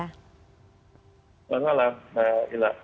selamat malam mbak ila